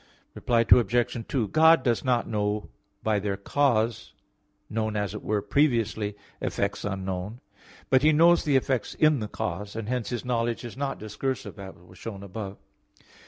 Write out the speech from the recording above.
Reply Obj. 2: God does not know by their cause, known, as it were previously, effects unknown; but He knows the effects in the cause; and hence His knowledge is not discursive, as was shown above.